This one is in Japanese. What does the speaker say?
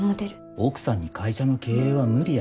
奥さんに会社の経営は無理や。